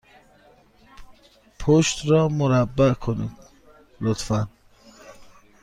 پشت را مربع کنید، لطفا.